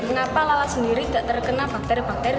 mengapa lalat sendiri tidak terkena bakteri bakteri